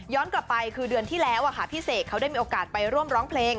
กลับไปคือเดือนที่แล้วพี่เสกเขาได้มีโอกาสไปร่วมร้องเพลง